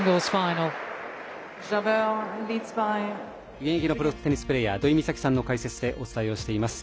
現役のプロテニスプレーヤー土居美咲さんの解説でお伝えをしています。